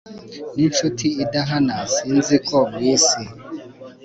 ninshuti idahana sinkizo mwisi